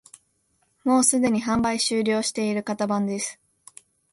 もうすでに販売終了している型番です